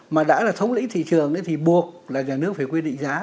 mà đã là thống lĩnh thị trường thì buộc là nhà nước phải quy định giá